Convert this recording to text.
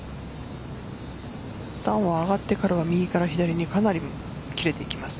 段を上がってからは右から左にかなり切れていきます。